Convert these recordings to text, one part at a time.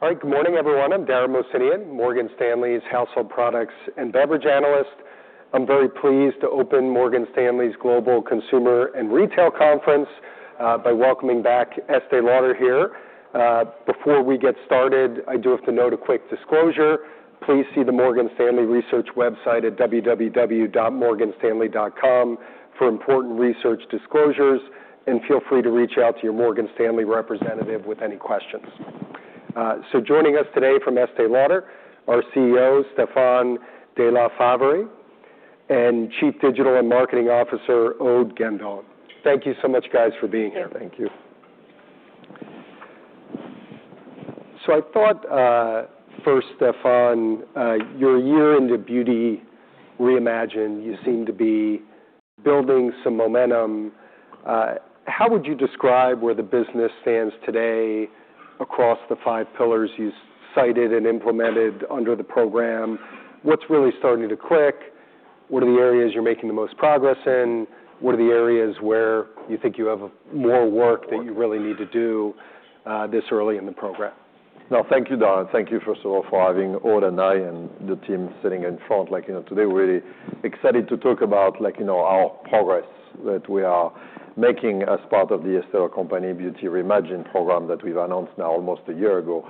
All right, good morning, everyone. I'm Dara Mohsenian, Morgan Stanley's Household Products and Beverage Analyst. I'm very pleased to open Morgan Stanley's Global Consumer and Retail Conference by welcoming back Estée Lauder here. Before we get started, I do have to note a quick disclosure. Please see the Morgan Stanley Research website at www.morganstanley.com for important research disclosures, and feel free to reach out to your Morgan Stanley representative with any questions. Joining us today from Estée Lauder are CEO Stéphane de La Faverie and Chief Digital and Marketing Officer Aude Gandon. Thank you so much, guys, for being here. Thank you. I thought, first, Stéphane, you're a year into Beauty Reimagined. You seem to be building some momentum. How would you describe where the business stands today across the five pillars you cited and implemented under the program? What's really starting to click? What are the areas you're making the most progress in? What are the areas where you think you have more work that you really need to do this early in the program? No, thank you, Dara. Thank you, first of all, for having Aude and I and the team sitting in front. Today, we're really excited to talk about our progress that we are making as part of The Estée Lauder Companies Beauty Reimagined program that we've announced now almost a year ago.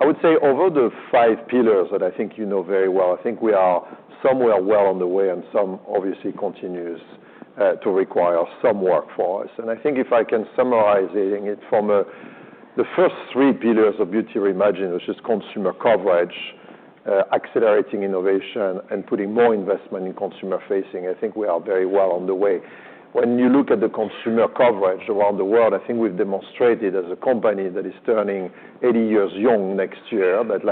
I would say, over the five pillars that I think you know very well, I think we are somewhere well on the way, and some, obviously, continues to require some work for us. I think, if I can summarize it from the first three pillars of Beauty Reimagined, which is consumer coverage, accelerating innovation, and putting more investment in consumer-facing, I think we are very well on the way. When you look at the consumer coverage around the world, I think we've demonstrated as a company that is turning 80 years young next year, that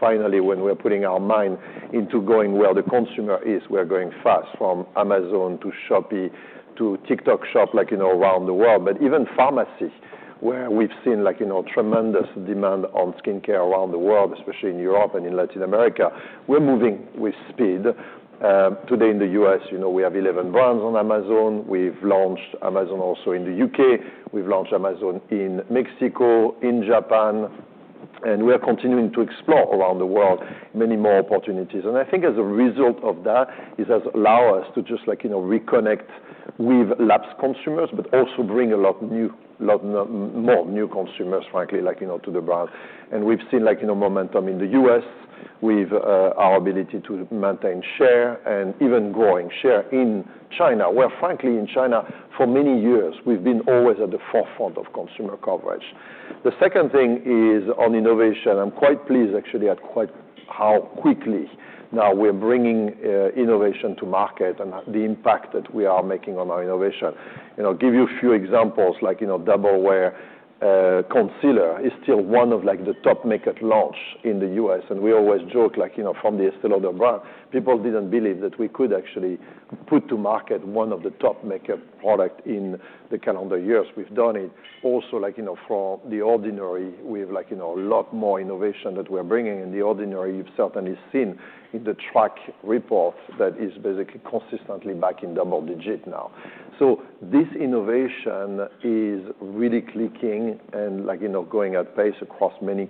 finally, when we're putting our mind into going where the consumer is, we're going fast from Amazon to Shopee to TikTok Shop around the world. Even pharmacy, where we've seen tremendous demand on skincare around the world, especially in Europe and in Latin America, we're moving with speed. Today, in the U.S., we have 11 brands on Amazon. We've launched Amazon also in the U.K. We've launched Amazon in Mexico, in Japan, and we're continuing to explore around the world many more opportunities. I think, as a result of that, it has allowed us to just reconnect with lapse consumers, but also bring a lot more new consumers, frankly, to the brand. We have seen momentum in the U.S. with our ability to maintain share and even growing share in China, where, frankly, in China, for many years, we have been always at the forefront of consumer coverage. The second thing is on innovation. I am quite pleased, actually, at how quickly now we are bringing innovation to market and the impact that we are making on our innovation. I will give you a few examples. Double Wear Concealer is still one of the top makeup launches in the U.S., and we always joke from The Estée Lauder brand, people did not believe that we could actually put to market one of the top makeup products in the calendar years we have done. Also, for The Ordinary, we have a lot more innovation that we are bringing, and The Ordinary you have certainly seen in the track report that is basically consistently back in double digit now. This innovation is really clicking and going at pace across many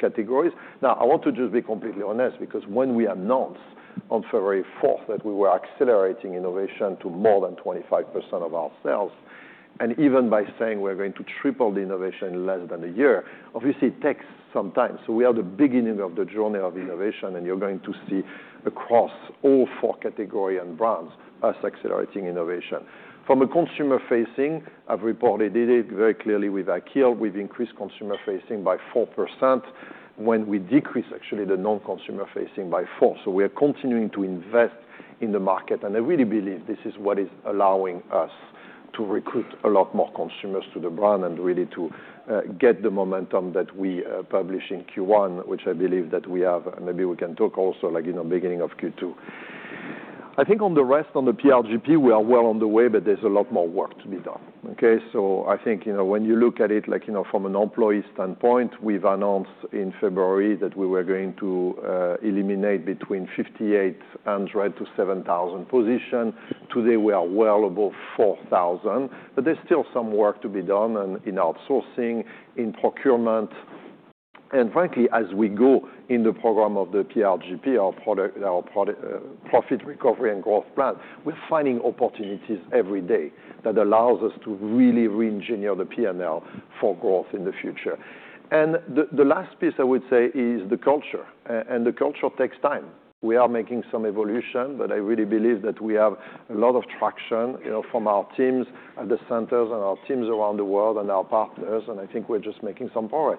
categories. Now, I want to just be completely honest, because when we announced on February 4 that we were accelerating innovation to more than 25% of our sales, and even by saying we're going to triple the innovation in less than a year, obviously, it takes some time. We are at the beginning of the journey of innovation, and you're going to see across all four categories and brands, us accelerating innovation. From a consumer-facing, I've reported it very clearly with Akhil. We've increased consumer-facing by 4% when we decreased, actually, the non-consumer-facing by 4%. We are continuing to invest in the market, and I really believe this is what is allowing us to recruit a lot more consumers to the brand and really to get the momentum that we published in Q1, which I believe that we have. Maybe we can talk also in the beginning of Q2. I think, on the rest, on the PRGP, we are well on the way, but there's a lot more work to be done. I think, when you look at it from an employee standpoint, we announced in February that we were going to eliminate between 5,800-7,000 positions. Today, we are well above 4,000, but there's still some work to be done in outsourcing, in procurement. Frankly, as we go in the program of the PRGP, our profit recovery and growth plan, we're finding opportunities every day that allows us to really re-engineer the P&L for growth in the future. The last piece, I would say, is the culture, and the culture takes time. We are making some evolution, but I really believe that we have a lot of traction from our teams at the centers and our teams around the world and our partners, and I think we're just making some progress.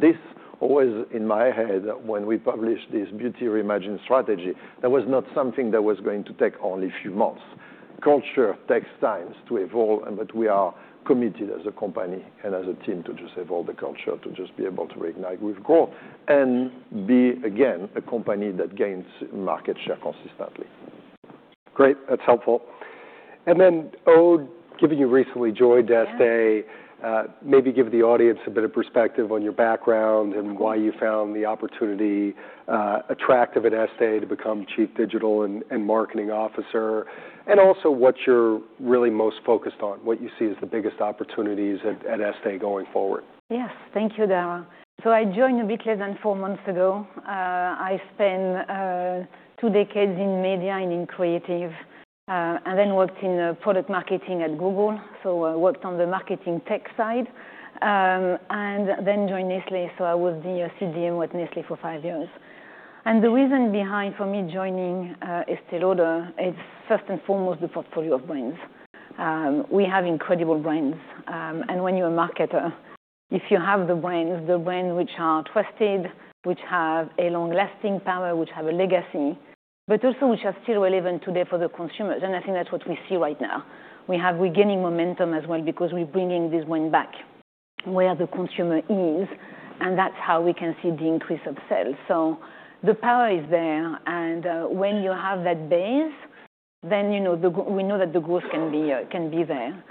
This, always in my head, when we published this Beauty Reimagined strategy, that was not something that was going to take only a few months. Culture takes time to evolve, but we are committed as a company and as a team to just evolve the culture to just be able to reignite with growth and be, again, a company that gains market share consistently. Great. That's helpful. Then, Aude, given you recently joined Estée, maybe give the audience a bit of perspective on your background and why you found the opportunity attractive at Estée to become Chief Digital and Marketing Officer, and also what you're really most focused on, what you see as the biggest opportunities at Estée going forward. Yes, thank you, Dara. I joined a bit less than four months ago. I spent two decades in media and in creative, and then worked in product marketing at Google. I worked on the marketing tech side and then joined Nestlé. I was the CDM at Nestlé for five years. The reason behind, for me, joining Estée Lauder, it's first and foremost the portfolio of brands. We have incredible brands, and when you're a marketer, if you have the brands, the brands which are trusted, which have a long-lasting power, which have a legacy, but also which are still relevant today for the consumers. I think that's what we see right now. We have regaining momentum as well because we're bringing this brand back where the consumer is, and that's how we can see the increase of sales. The power is there, and when you have that base, then we know that the growth can be there.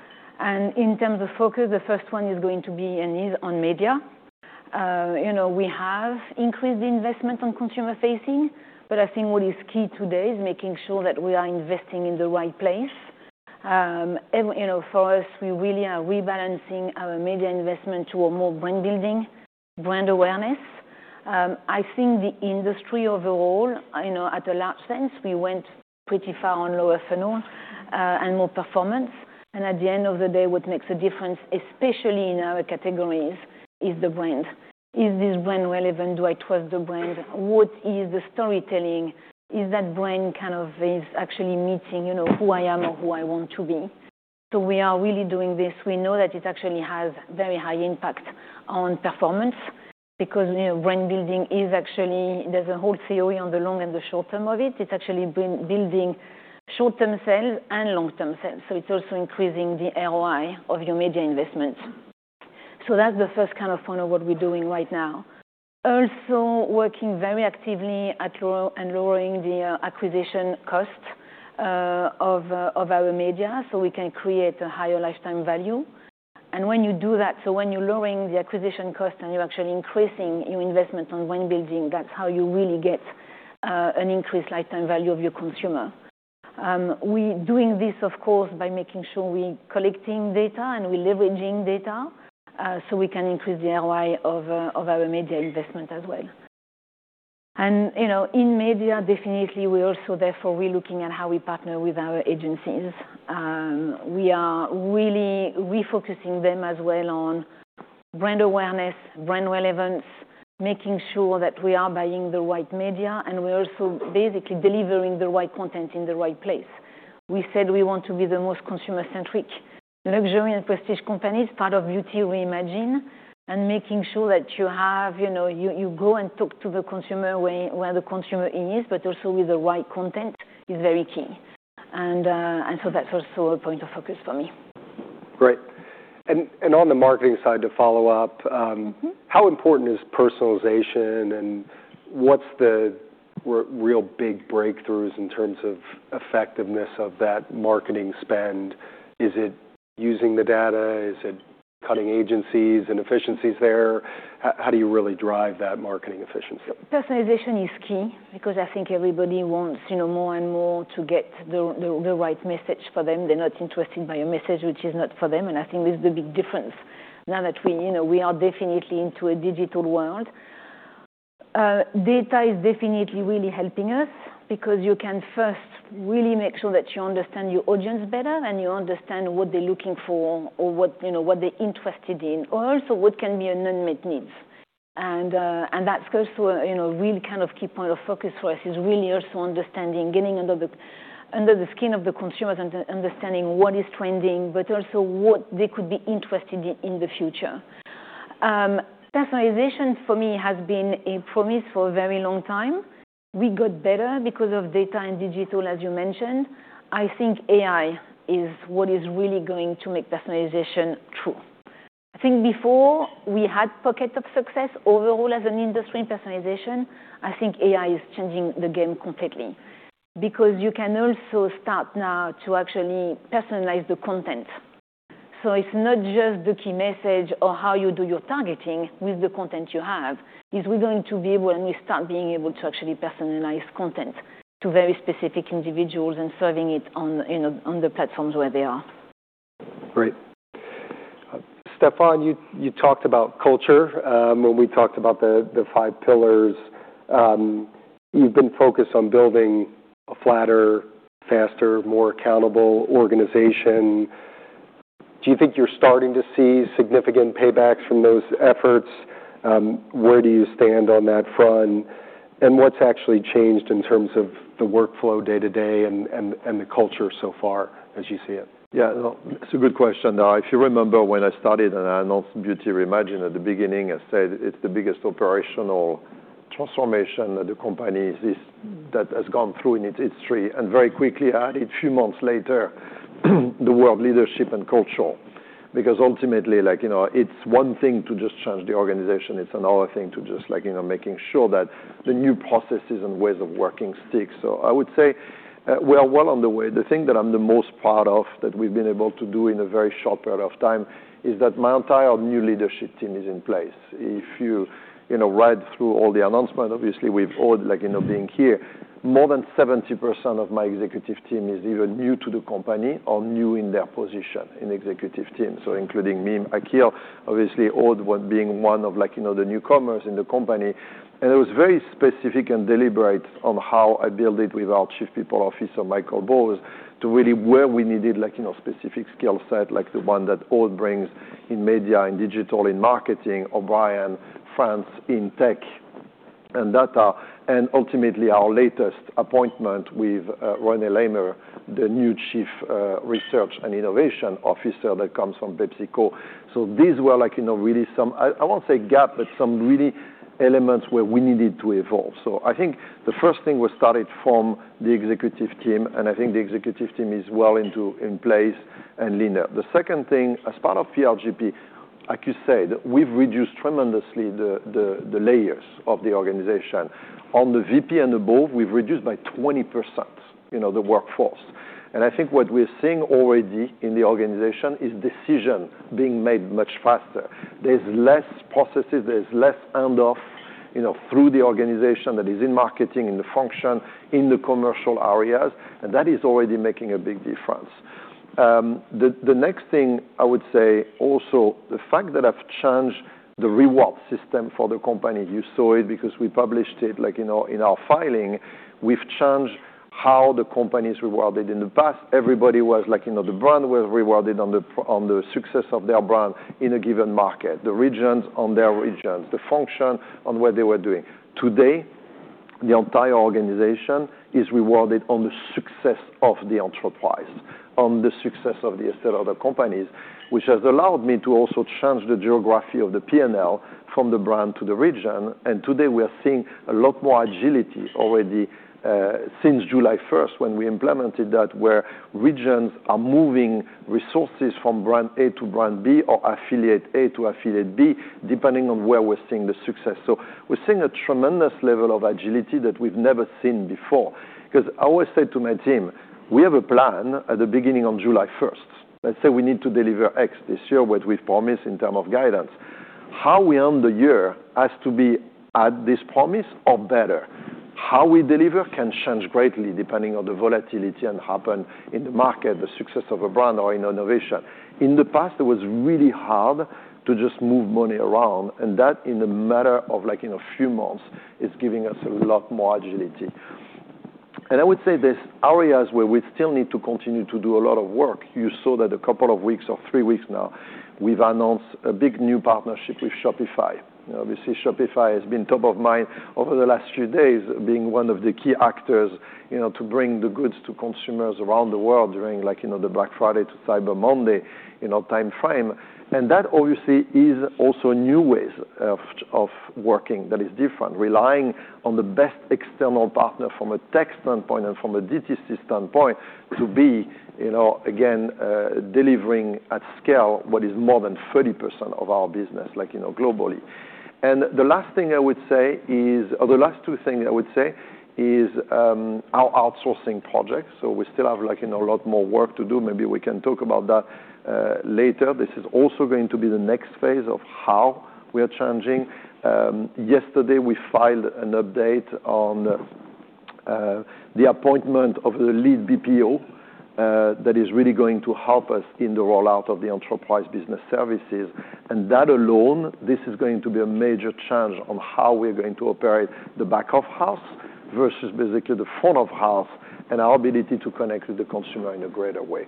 In terms of focus, the first one is going to be and is on media. We have increased the investment on consumer-facing, but I think what is key today is making sure that we are investing in the right place. For us, we really are rebalancing our media investment toward more brand building, brand awareness. I think the industry overall, at a large sense, we went pretty far on lower funnel and more performance. At the end of the day, what makes a difference, especially in our categories, is the brand. Is this brand relevant? Do I trust the brand? What is the storytelling? Is that brand kind of actually meeting who I am or who I want to be? We are really doing this. We know that it actually has very high impact on performance because brand building is actually there's a whole theory on the long and the short term of it. It's actually building short-term sales and long-term sales. It's also increasing the ROI of your media investment. That's the first kind of point of what we're doing right now. Also, working very actively at lowering the acquisition cost of our media so we can create a higher lifetime value. When you do that, when you're lowering the acquisition cost and you're actually increasing your investment on brand building, that's how you really get an increased lifetime value of your consumer. We're doing this, of course, by making sure we're collecting data and we're leveraging data so we can increase the ROI of our media investment as well. In media, definitely, we're also therefore re-looking at how we partner with our agencies. We are really refocusing them as well on brand awareness, brand relevance, making sure that we are buying the right media, and we're also basically delivering the right content in the right place. We said we want to be the most consumer-centric luxury and prestige companies, part of Beauty Reimagined, and making sure that you go and talk to the consumer where the consumer is, but also with the right content is very key. That is also a point of focus for me. Great. On the marketing side, to follow up, how important is personalization, and what's the real big breakthroughs in terms of effectiveness of that marketing spend? Is it using the data? Is it cutting agencies and efficiencies there? How do you really drive that marketing efficiency? Personalization is key because I think everybody wants more and more to get the right message for them. They're not interested by a message which is not for them, and I think this is the big difference now that we are definitely into a digital world. Data is definitely really helping us because you can first really make sure that you understand your audience better and you understand what they're looking for or what they're interested in, or also what can be unmet needs. That's also a real kind of key point of focus for us is really also understanding, getting under the skin of the consumers and understanding what is trending, but also what they could be interested in in the future. Personalization, for me, has been a promise for a very long time. We got better because of data and digital, as you mentioned. I think AI is what is really going to make personalization true. I think, before, we had pockets of success overall as an industry in personalization. I think AI is changing the game completely because you can also start now to actually personalize the content. It is not just the key message or how you do your targeting with the content you have. We are going to be able, and we start being able to actually personalize content to very specific individuals and serving it on the platforms where they are. Great. Stéphane, you talked about culture when we talked about the five pillars. You've been focused on building a flatter, faster, more accountable organization. Do you think you're starting to see significant paybacks from those efforts? Where do you stand on that front? What's actually changed in terms of the workflow day-to-day and the culture so far, as you see it? Yeah, that's a good question, Dara. If you remember, when I started and I announced Beauty Reimagined at the beginning, I said it's the biggest operational transformation that the company has gone through in its history. Very quickly, a few months later, the world leadership and culture, because ultimately, it's one thing to just change the organization. It's another thing to just making sure that the new processes and ways of working stick. I would say we are well on the way. The thing that I'm the most proud of that we've been able to do in a very short period of time is that my entire new leadership team is in place. If you read through all the announcements, obviously, with Aude being here, more than 70% of my executive team is either new to the company or new in their position in executive team, so including me, Akhil, obviously, Aude being one of the newcomers in the company. It was very specific and deliberate on how I built it with our Chief People Officer, Michael Bowes, to really where we needed a specific skill set, like the one that Aude brings in media and digital in marketing, O'Brien, France in tech, and data. Ultimately, our latest appointment with René Lammers, the new Chief Research and Innovation Officer that comes from PepsiCo. These were really some, I won't say gap, but some really elements where we needed to evolve. I think the first thing was started from the executive team, and I think the executive team is well in place and leaner. The second thing, as part of PRGP, like you said, we've reduced tremendously the layers of the organization. On the VP and above, we've reduced by 20% the workforce. I think what we're seeing already in the organization is decision being made much faster. There's less processes. There's less handoff through the organization that is in marketing, in the function, in the commercial areas, and that is already making a big difference. The next thing I would say, also, the fact that I've changed the reward system for the company, you saw it because we published it in our filing. We've changed how the company is rewarded in the past. Everybody was like the brand was rewarded on the success of their brand in a given market, the regions on their regions, the function on what they were doing. Today, the entire organization is rewarded on the success of the enterprise, on the success of The Estée Lauder Companies, which has allowed me to also change the geography of the P&L from the brand to the region. Today, we are seeing a lot more agility already since July 1 when we implemented that, where regions are moving resources from brand A to brand B or affiliate A to affiliate B, depending on where we're seeing the success. We are seeing a tremendous level of agility that we've never seen before because I always say to my team, we have a plan at the beginning of July 1. Let's say we need to deliver X this year, what we've promised in terms of guidance. How we end the year has to be at this promise or better. How we deliver can change greatly depending on the volatility and happen in the market, the success of a brand, or in innovation. In the past, it was really hard to just move money around, and that, in a matter of a few months, is giving us a lot more agility. I would say there's areas where we still need to continue to do a lot of work. You saw that a couple of weeks or three weeks now, we've announced a big new partnership with Shopify. Shopify has been top of mind over the last few days, being one of the key actors to bring the goods to consumers around the world during the Black Friday to Cyber Monday timeframe. That is also new ways of working that is different, relying on the best external partner from a tech standpoint and from a DTC standpoint to be, again, delivering at scale what is more than 30% of our business globally. The last thing I would say is, or the last two things I would say is our outsourcing project. We still have a lot more work to do. Maybe we can talk about that later. This is also going to be the next phase of how we are changing. Yesterday, we filed an update on the appointment of the lead BPO that is really going to help us in the rollout of the enterprise business services. That alone is going to be a major change on how we're going to operate the back of house versus basically the front of house and our ability to connect with the consumer in a greater way.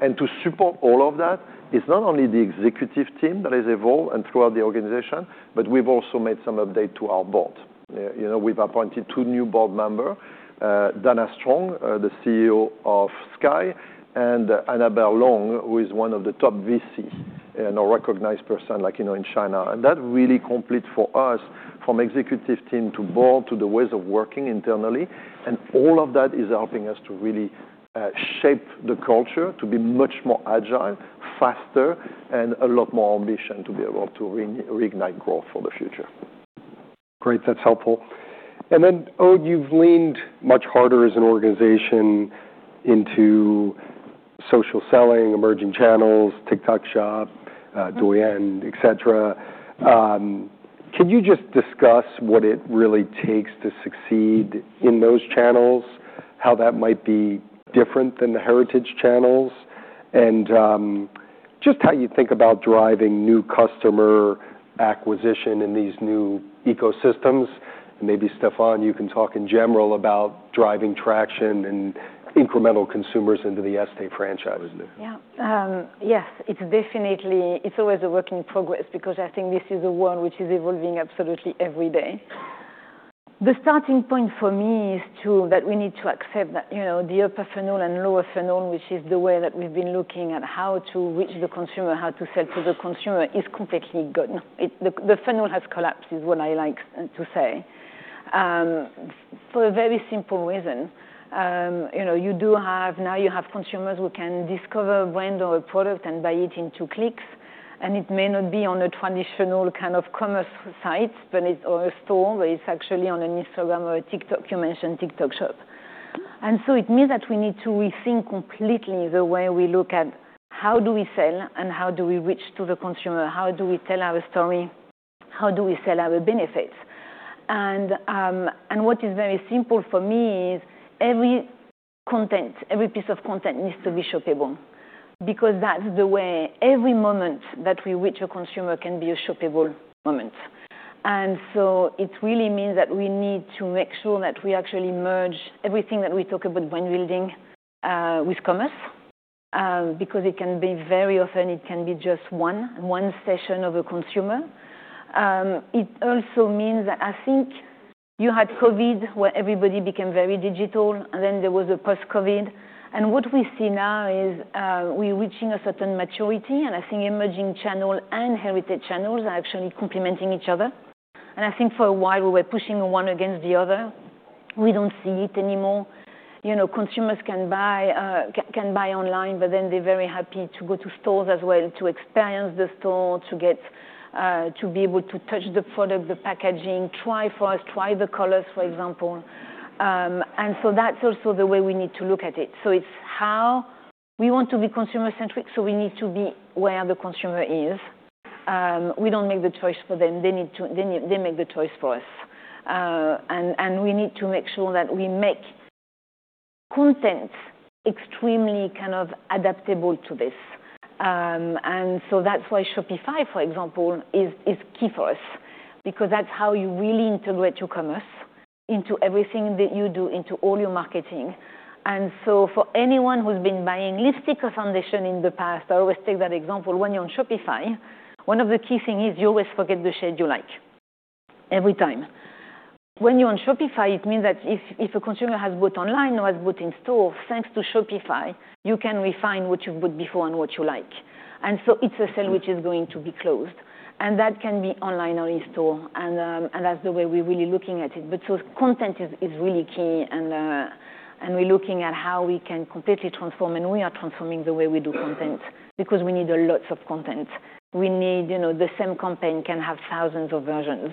To support all of that, it's not only the executive team that has evolved and throughout the organization, but we've also made some update to our board. We've appointed two new board members, Dana Strong, the CEO of Sky, and Annabelle Yu Long, who is one of the top VC and a recognized person in China. That really completes for us, from executive team to board to the ways of working internally. All of that is helping us to really shape the culture to be much more agile, faster, and a lot more ambitious to be able to reignite growth for the future. Great. That's helpful. Then, Aude, you've leaned much harder as an organization into social selling, emerging channels, TikTok Shop, Douyin, etc. Can you just discuss what it really takes to succeed in those channels, how that might be different than the heritage channels, and just how you think about driving new customer acquisition in these new ecosystems? Maybe, Stéphane, you can talk in general about driving traction and incremental consumers into the Estée franchise. Yes, it's definitely always a work in progress because I think this is a one which is evolving absolutely every day. The starting point for me is that we need to accept that the upper funnel and lower funnel, which is the way that we've been looking at how to reach the consumer, how to sell to the consumer, is completely gone. The funnel has collapsed, is what I like to say, for a very simple reason. You do have now you have consumers who can discover a brand or a product and buy it in two clicks. And it may not be on a traditional kind of commerce site, but it's on a store, but it's actually on an Instagram or a TikTok. You mentioned TikTok Shop. It means that we need to rethink completely the way we look at how do we sell and how do we reach to the consumer. How do we tell our story? How do we sell our benefits? What is very simple for me is every content, every piece of content needs to be shoppable because that's the way every moment that we reach a consumer can be a shoppable moment. It really means that we need to make sure that we actually merge everything that we talk about brand building with commerce because it can be very often it can be just one session of a consumer. It also means that I think you had COVID where everybody became very digital, and then there was a post-COVID. What we see now is we're reaching a certain maturity, and I think emerging channel and heritage channels are actually complementing each other. I think for a while we were pushing one against the other. We do not see it anymore. Consumers can buy online, but then they're very happy to go to stores as well to experience the store, to be able to touch the product, the packaging, try first, try the colors, for example. That is also the way we need to look at it. It is how we want to be consumer-centric, so we need to be where the consumer is. We do not make the choice for them. They make the choice for us. We need to make sure that we make content extremely kind of adaptable to this. That is why Shopify, for example, is key for us because that is how you really integrate your commerce into everything that you do, into all your marketing. For anyone who has been buying lipstick or foundation in the past, I always take that example. When you are on Shopify, one of the key things is you always forget the shade you like every time. When you are on Shopify, it means that if a consumer has bought online or has bought in store, thanks to Shopify, you can refine what you have bought before and what you like. It is a sale which is going to be closed, and that can be online or in store. That is the way we are really looking at it. Content is really key, and we're looking at how we can completely transform, and we are transforming the way we do content because we need lots of content. We need the same campaign can have thousands of versions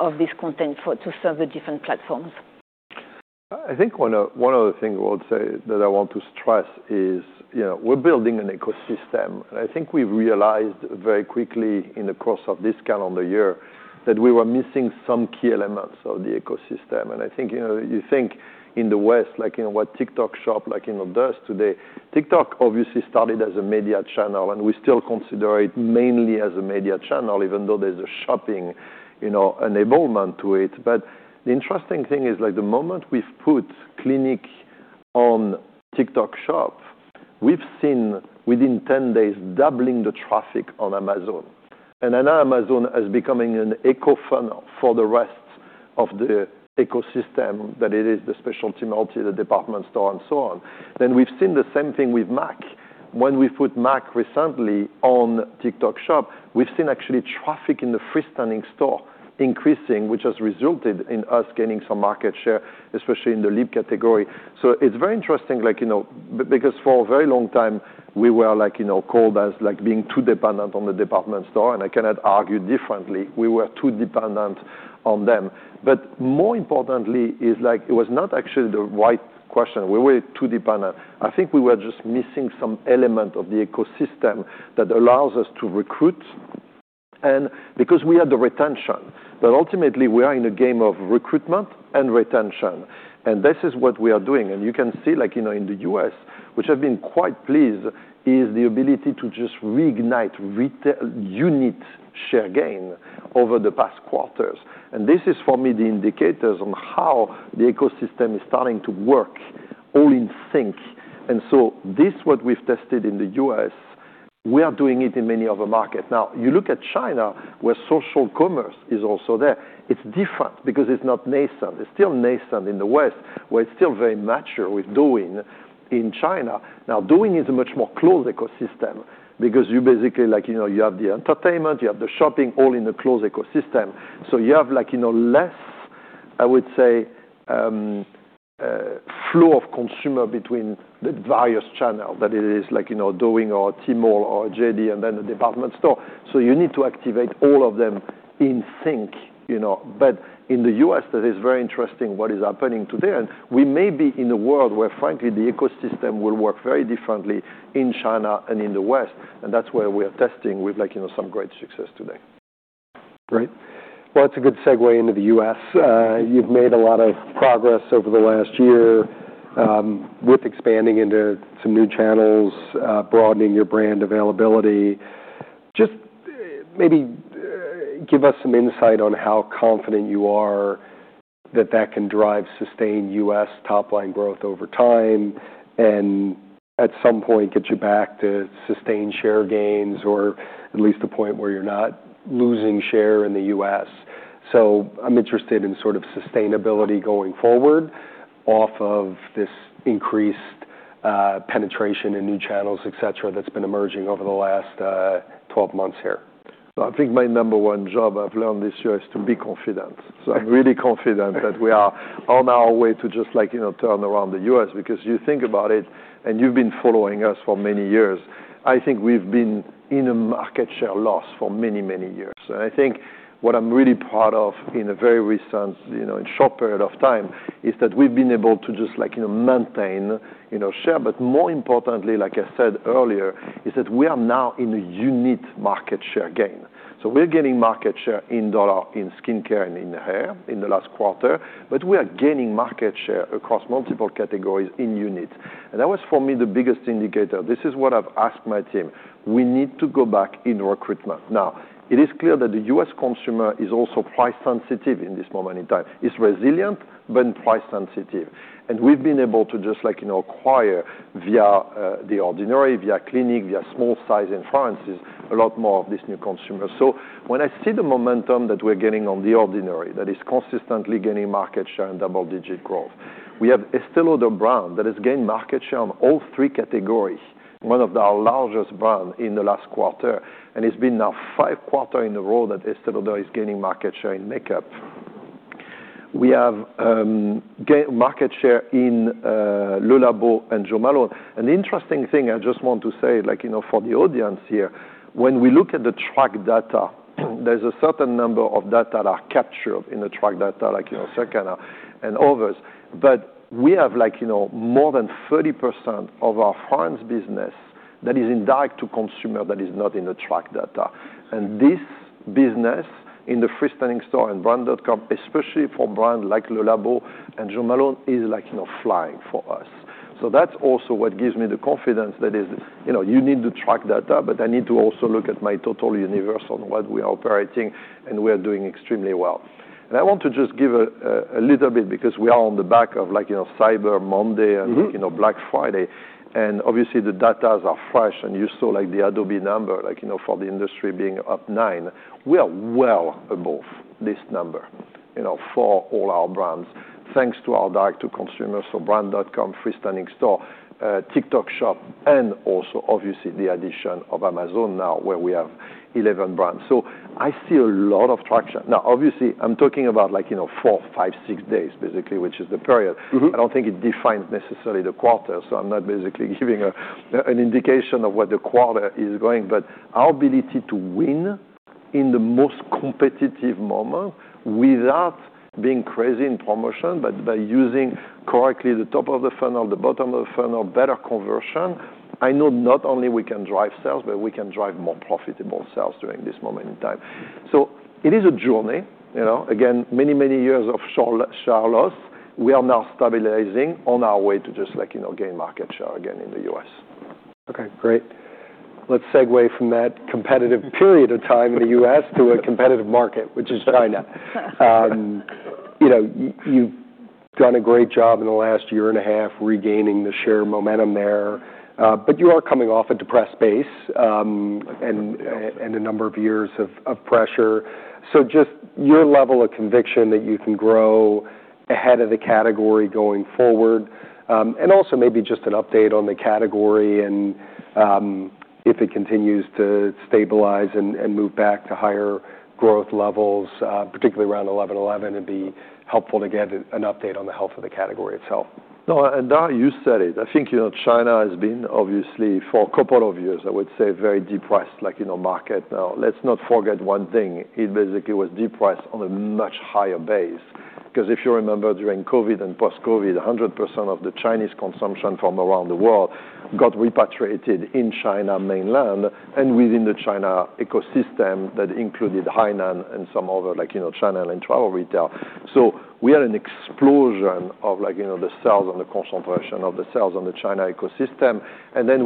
of this content to serve the different platforms. I think one other thing I would say that I want to stress is we're building an ecosystem. I think we've realized very quickly in the course of this calendar year that we were missing some key elements of the ecosystem. I think you think in the West, like what TikTok Shop does today, TikTok obviously started as a media channel, and we still consider it mainly as a media channel, even though there's a shopping enablement to it. The interesting thing is the moment we've put Clinique on TikTok Shop, we've seen within 10 days doubling the traffic on Amazon. I know Amazon is becoming an eco-funnel for the rest of the ecosystem, that it is the specialty multi, the department store, and so on. We've seen the same thing with MAC. When we put MAC recently on TikTok Shop, we've seen actually traffic in the freestanding store increasing, which has resulted in us gaining some market share, especially in the lead category. It is very interesting because for a very long time, we were called as being too dependent on the department store, and I cannot argue differently. We were too dependent on them. More importantly, it was not actually the right question. We were too dependent. I think we were just missing some element of the ecosystem that allows us to recruit because we had the retention. Ultimately, we are in a game of recruitment and retention. This is what we are doing. You can see in the U.S., which I've been quite pleased, is the ability to just reignite unit share gain over the past quarters. This is, for me, the indicators on how the ecosystem is starting to work all in sync. What we've tested in the U.S., we are doing it in many other markets. Now, you look at China, where social commerce is also there. It's different because it's not nascent. It's still nascent in the West, where it's still very mature with Douyin in China. Now, Douyin is a much more closed ecosystem because you basically have the entertainment, you have the shopping all in a closed ecosystem. You have less, I would say, flow of consumer between the various channels that it is like Douyin or Tmall or JD and then the department store. You need to activate all of them in sync. In the U.S., that is very interesting what is happening today. We may be in a world where, frankly, the ecosystem will work very differently in China and in the West. That is where we are testing with some great success today. Great. It is a good segue into the U.S. You have made a lot of progress over the last year with expanding into some new channels, broadening your brand availability. Just maybe give us some insight on how confident you are that that can drive sustained U.S. top-line growth over time and at some point get you back to sustained share gains or at least a point where you are not losing share in the U.S. I am interested in sort of sustainability going forward off of this increased penetration and new channels, etc., that has been emerging over the last 12 months here. I think my number one job I've learned this year is to be confident. I am really confident that we are on our way to just turn around the U.S. because you think about it, and you've been following us for many years. I think we've been in a market share loss for many, many years. I think what I'm really proud of in a very recent, short period of time is that we've been able to just maintain share. More importantly, like I said earlier, is that we are now in a unit market share gain. We are getting market share in dollar in skincare and in hair in the last quarter, but we are gaining market share across multiple categories in unit. That was, for me, the biggest indicator. This is what I've asked my team. We need to go back in recruitment. Now, it is clear that the U.S. consumer is also price-sensitive in this moment in time. It is resilient, but price-sensitive. We have been able to just acquire via The Ordinary, via Clinique, via small-sized inferences, a lot more of this new consumer. When I see the momentum that we are getting on The Ordinary, that is consistently gaining market share and double-digit growth, we have Estée Lauder brand that has gained market share on all three categories, one of our largest brands in the last quarter. It has been now five quarters in a row that Estée Lauder is gaining market share in makeup. We have market share in Le Labo and Jo Malone London. The interesting thing I just want to say for the audience here, when we look at the track data, there is a certain number of data that are captured in the track data, like Circana and others. We have more than 30% of our France business that is in direct-to-consumer that is not in the track data. This business in the freestanding store and brand.com, especially for brands like Le Labo and Jo Malone London, is flying for us. That is also what gives me the confidence that you need the track data, but I need to also look at my total universe on what we are operating, and we are doing extremely well. I want to just give a little bit because we are on the back of Cyber Monday and Black Friday. Obviously, the data are fresh, and you saw the Adobe number for the industry being up 9%. We are well above this number for all our brands, thanks to our direct-to-consumer, so brand.com, freestanding store, TikTok Shop, and also, obviously, the addition of Amazon now, where we have 11 brands. I see a lot of traction. Obviously, I am talking about four, five, six days, basically, which is the period. I do not think it defines necessarily the quarter. I am not basically giving an indication of what the quarter is going. Our ability to win in the most competitive moment without being crazy in promotion, but by using correctly the top of the funnel, the bottom of the funnel, better conversion, I know not only we can drive sales, but we can drive more profitable sales during this moment in time. It is a journey. Again, many, many years of share loss. We are now stabilizing on our way to just gain market share again in the U.S. Okay. Great. Let's segue from that competitive period of time in the U.S. to a competitive market, which is China. You've done a great job in the last year and a half regaining the share momentum there. But you are coming off a depressed base and a number of years of pressure. Just your level of conviction that you can grow ahead of the category going forward, and also maybe just an update on the category and if it continues to stabilize and move back to higher growth levels, particularly around 11.11, it'd be helpful to get an update on the health of the category itself. No, and now you said it. I think China has been, obviously, for a couple of years, I would say, very depressed market. Now, let's not forget one thing. It basically was depressed on a much higher base because if you remember during COVID and post-COVID, 100% of the Chinese consumption from around the world got repatriated in China mainland and within the China ecosystem that included Hainan and some other China and travel retail. We had an explosion of the sales and the concentration of the sales on the China ecosystem.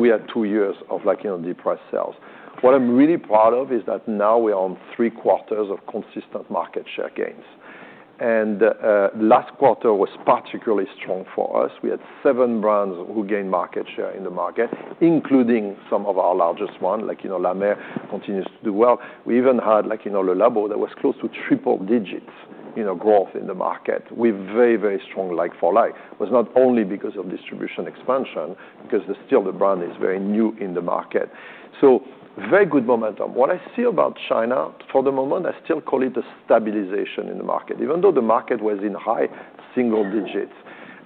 We had two years of depressed sales. What I'm really proud of is that now we are on three quarters of consistent market share gains. Last quarter was particularly strong for us. We had seven brands who gained market share in the market, including some of our largest ones, like La Mer continues to do well. We even had Le Labo that was close to triple-digit growth in the market with very, very strong like-for-like. It was not only because of distribution expansion because still the brand is very new in the market. Very good momentum. What I see about China for the moment, I still call it a stabilization in the market, even though the market was in high single digits.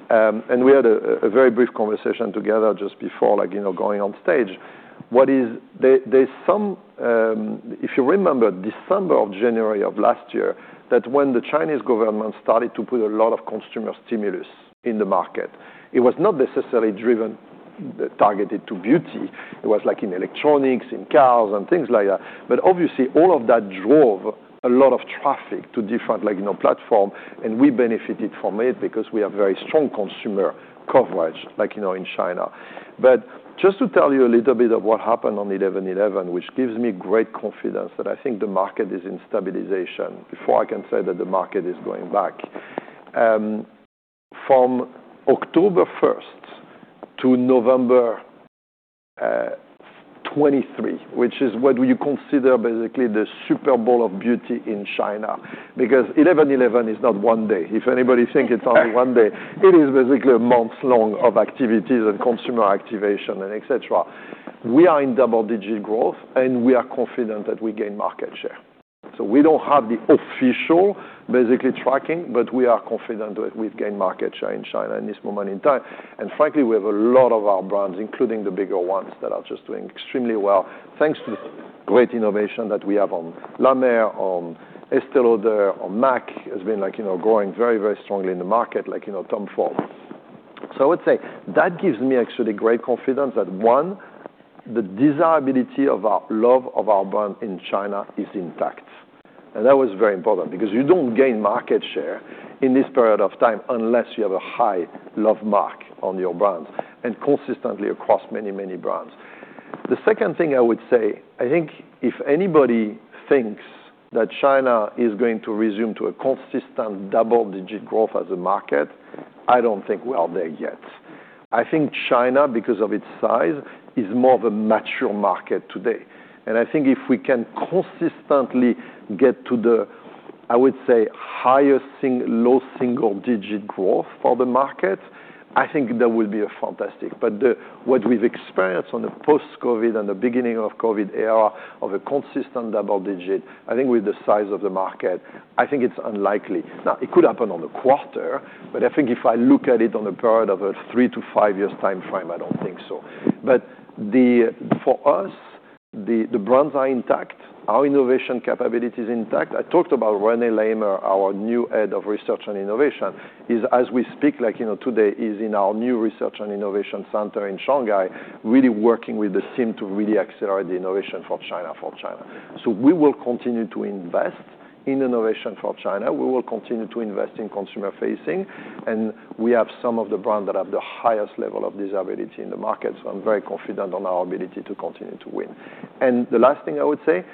We had a very brief conversation together just before going on stage. If you remember December or January of last year, that's when the Chinese government started to put a lot of consumer stimulus in the market. It was not necessarily targeted to beauty. It was in electronics, in cars, and things like that. Obviously, all of that drove a lot of traffic to different platforms. We benefited from it because we have very strong consumer coverage in China. Just to tell you a little bit of what happened on 11.11, which gives me great confidence that I think the market is in stabilization before I can say that the market is going back. From October 1 to November 23, which is what you consider basically the Super Bowl of beauty in China because 11.11 is not one day. If anybody thinks it is only one day, it is basically months long of activities and consumer activation and etc. We are in double-digit growth, and we are confident that we gain market share. We do not have the official basically tracking, but we are confident that we have gained market share in China in this moment in time. Frankly, we have a lot of our brands, including the bigger ones, that are just doing extremely well thanks to great innovation that we have on La Mer, on Estée Lauder, on MAC has been growing very, very strongly in the market like Tom Ford. I would say that gives me actually great confidence that, one, the desirability of our love of our brand in China is intact. That was very important because you do not gain market share in this period of time unless you have a high love mark on your brands and consistently across many, many brands. The second thing I would say, I think if anybody thinks that China is going to resume to a consistent double-digit growth as a market, I do not think we are there yet. I think China, because of its size, is more of a mature market today. I think if we can consistently get to the, I would say, highest low single-digit growth for the market, I think that would be fantastic. What we've experienced on the post-COVID and the beginning of the COVID era of a consistent double-digit, I think with the size of the market, I think it's unlikely. It could happen on a quarter, but I think if I look at it on a period of a three to five years' time frame, I don't think so. For us, the brands are intact. Our innovation capability is intact. I talked about René Lammers, our new head of research and innovation, as we speak today, is in our new research and innovation center in Shanghai, really working with the team to really accelerate the innovation for China, for China. We will continue to invest in innovation for China. We will continue to invest in consumer facing. We have some of the brands that have the highest level of desirability in the market. I am very confident on our ability to continue to win. The last thing I would say,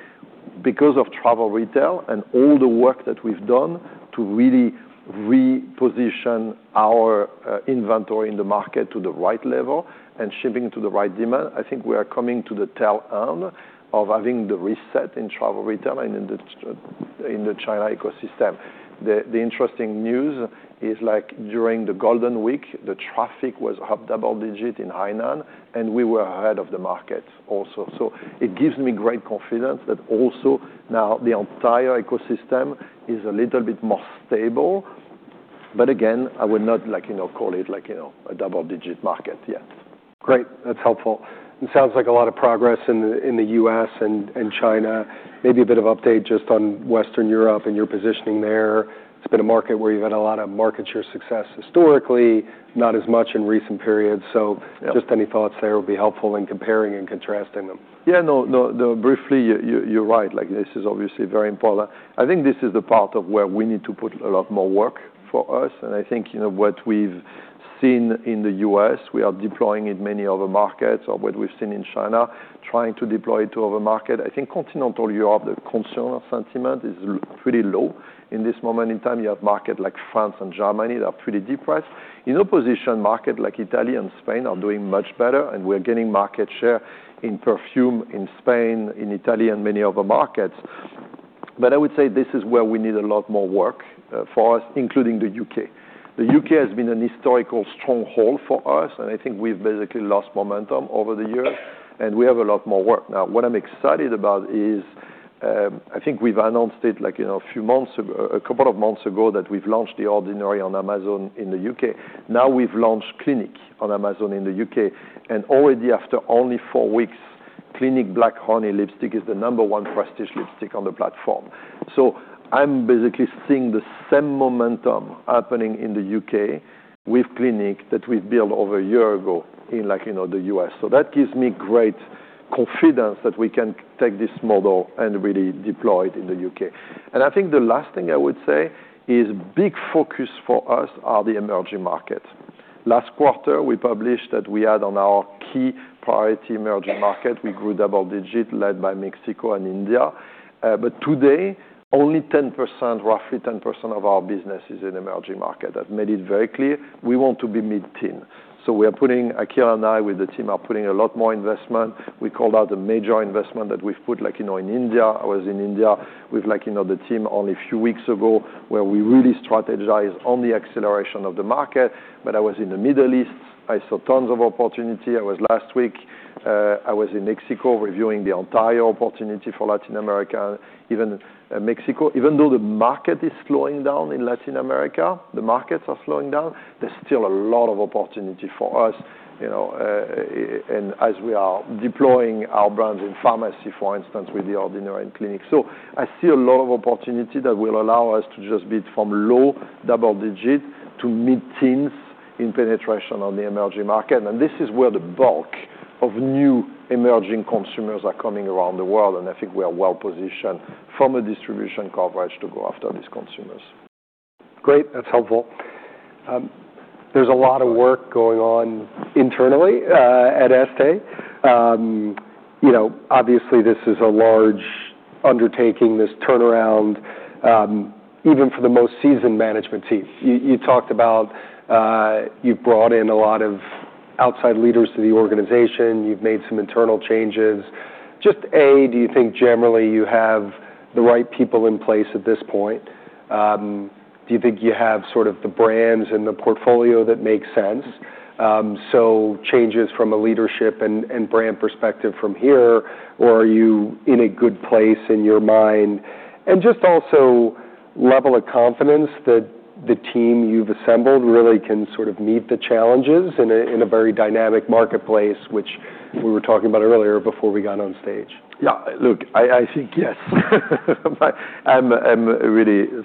because of travel retail and all the work that we have done to really reposition our inventory in the market to the right level and shipping to the right demand, I think we are coming to the tail end of having the reset in travel retail and in the China ecosystem. The interesting news is during the Golden Week, the traffic was up double-digit in Hainan, and we were ahead of the market also. It gives me great confidence that now the entire ecosystem is a little bit more stable. I would not call it a double-digit market yet. Great. That's helpful. It sounds like a lot of progress in the U.S. and China. Maybe a bit of update just on Western Europe and your positioning there. It's been a market where you've had a lot of market share success historically, not as much in recent periods. Just any thoughts there would be helpful in comparing and contrasting them. Yeah. No, briefly, you're right. This is obviously very important. I think this is the part of where we need to put a lot more work for us. I think what we've seen in the U.S., we are deploying in many other markets or what we've seen in China, trying to deploy it to other markets. I think continental Europe, the consumer sentiment is pretty low in this moment in time. You have markets like France and Germany that are pretty depressed. In opposition, markets like Italy and Spain are doing much better, and we're getting market share in perfume in Spain, in Italy, and many other markets. I would say this is where we need a lot more work for us, including the U.K. The U.K. has been a historical stronghold for us, and I think we've basically lost momentum over the years, and we have a lot more work. Now, what I'm excited about is I think we've announced it a couple of months ago that we've launched The Ordinary on Amazon in the U.K. Now we've launched Clinique on Amazon in the U.K. Already after only four weeks, Clinique Black Honey lipstick is the number one prestigious lipstick on the platform. I'm basically seeing the same momentum happening in the U.K. with Clinique that we've built over a year ago in the U.S. That gives me great confidence that we can take this model and really deploy it in the U.K. I think the last thing I would say is big focus for us are the emerging markets. Last quarter, we published that we had on our key priority emerging market. We grew double-digit, led by Mexico and India. Today, only 10%, roughly 10% of our business is in emerging markets. I've made it very clear. We want to be mid-teen. We are putting Akhil and I with the team are putting a lot more investment. We called out a major investment that we've put in India. I was in India with the team only a few weeks ago where we really strategized on the acceleration of the market. I was in the Middle East. I saw tons of opportunity. Last week, I was in Mexico reviewing the entire opportunity for Latin America, even Mexico. Even though the market is slowing down in Latin America, the markets are slowing down, there's still a lot of opportunity for us. As we are deploying our brands in pharmacy, for instance, with The Ordinary and Clinique, I see a lot of opportunity that will allow us to just be from low double-digit to mid-teens in penetration on the emerging market. This is where the bulk of new emerging consumers are coming around the world. I think we are well-positioned from a distribution coverage to go after these consumers. Great. That's helpful. There's a lot of work going on internally at Estée. Obviously, this is a large undertaking, this turnaround, even for the most seasoned management team. You talked about you've brought in a lot of outside leaders to the organization. You've made some internal changes. Just, A, do you think generally you have the right people in place at this point? Do you think you have sort of the brands and the portfolio that makes sense? Changes from a leadership and brand perspective from here, or are you in a good place in your mind? Also, level of confidence that the team you've assembled really can sort of meet the challenges in a very dynamic marketplace, which we were talking about earlier before we got on stage. Yeah. Look, I think yes.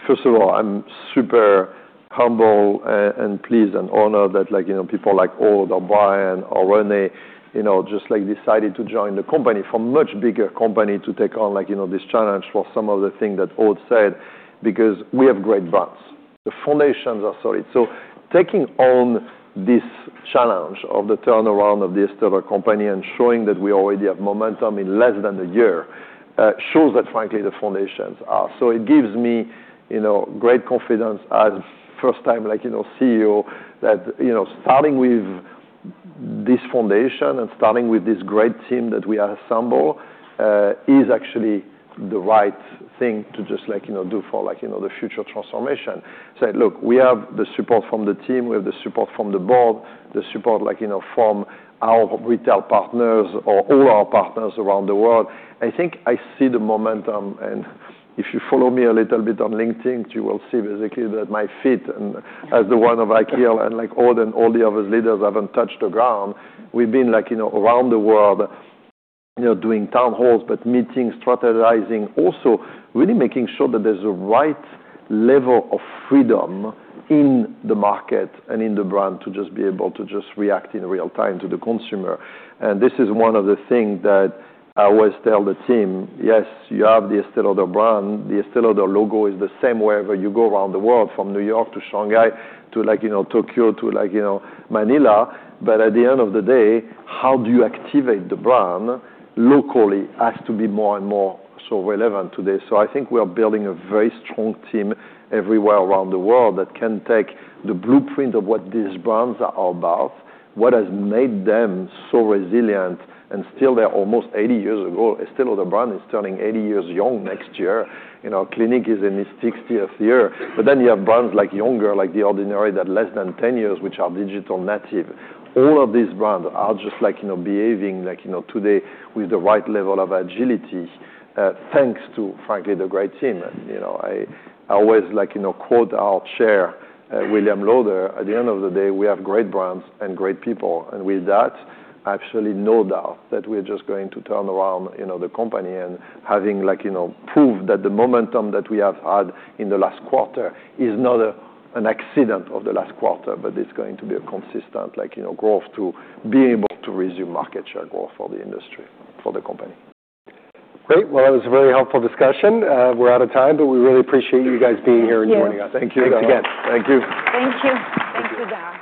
First of all, I'm super humble and pleased and honored that people like Aude or Brian or René just decided to join the company from a much bigger company to take on this challenge for some of the things that Aude said because we have great brands. The foundations are solid. Taking on this challenge of the turnaround of The Estée Lauder Companies and showing that we already have momentum in less than a year shows that, frankly, the foundations are. It gives me great confidence as first-time CEO that starting with this foundation and starting with this great team that we assemble is actually the right thing to just do for the future transformation. Look, we have the support from the team. We have the support from the board, the support from our retail partners or all our partners around the world. I think I see the momentum. If you follow me a little bit on LinkedIn, you will see basically that my feet, as the one of Akhil and Aude and all the other leaders, have not touched the ground. We have been around the world doing town halls, meetings, strategizing, also really making sure that there is a right level of freedom in the market and in the brand to just be able to just react in real time to the consumer. This is one of the things that I always tell the team. Yes, you have The Estée Lauder brand. The Estée Lauder logo is the same wherever you go around the world, from New York to Shanghai to Tokyo to Manila. At the end of the day, how you activate the brand locally has to be more and more so relevant today. I think we are building a very strong team everywhere around the world that can take the blueprint of what these brands are about, what has made them so resilient. Still, they are almost 80 years ago. Estée Lauder brand is turning 80 years young next year. Clinique is in its 60th year. Then you have brands like younger, like The Ordinary that are less than 10 years, which are digital native. All of these brands are just behaving today with the right level of agility thanks to, frankly, the great team. I always quote our Chair, William Lauder. At the end of the day, we have great brands and great people. I absolutely have no doubt that we're just going to turn around the company and having proved that the momentum that we have had in the last quarter is not an accident of the last quarter, but it's going to be a consistent growth to be able to resume market share growth for the industry, for the company. Great. That was a very helpful discussion. We're out of time, but we really appreciate you guys being here and joining us. Thank you again. Thank you. Thank you. Thanks for that.